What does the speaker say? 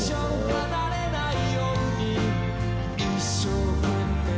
「一生離れないように一生懸命に」